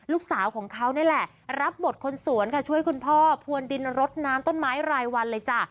ลูกสาวของเขานี่แหละรับบทคนสวนค่ะช่วยคุณพ่อพวนดินรดน้ำต้นไม้รายวันเลยจ้ะ